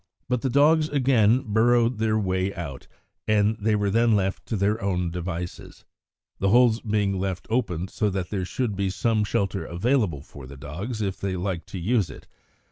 But the dogs again burrowed their way out, and they were then left to their own devices, the holes being left open, so that there should be some shelter available for the dogs if they liked to use it.